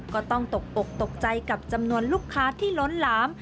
ก็ต้องตกอกตกใจกับจำนวนลูกค้าที่ล้นหลาม